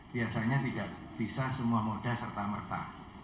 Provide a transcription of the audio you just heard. biasanya tidak bisa semua moda serta merta